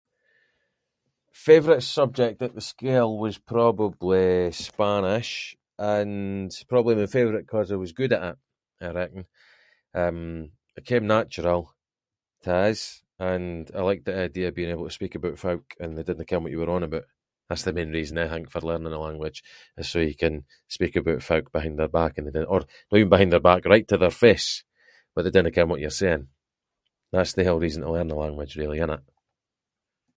Favourite subject at the school was probably Spanish and probably my favourite ‘cause I was good at it I reckon, eh, became natural to us, and I liked the idea of being able to speak about folk, and they didnae ken what you were on aboot. That’s the main reason I think, eh, for learning a language, is so you can speak about folk behind their back and- or no even behind their back, right to their face, but they dinnae ken what you’re saying, that’s the hale reason to learn a language really, innit?